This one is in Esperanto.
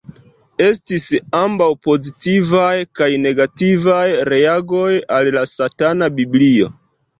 Estis ambaŭ pozitivaj kaj negativaj reagoj al "La Satana Biblio.